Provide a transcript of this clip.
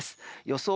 予想